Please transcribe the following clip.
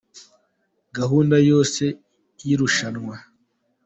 Gahunda yose y’irushanwa